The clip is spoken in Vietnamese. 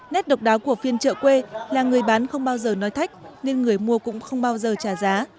nét độc đáo của phiên chợ quê là người bán không bao giờ nói thách nên người mua cũng không bao giờ trả giá